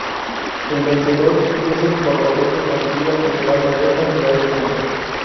El vencedor es el corredor que consigue acumular mayor cantidad de puntos.